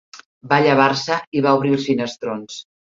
Va llevar-se, i va obrir els finestrons